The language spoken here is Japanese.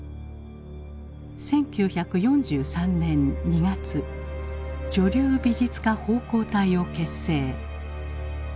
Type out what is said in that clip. １９４３年２月「女流美術家奉公隊」を結成。